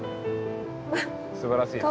すばらしい。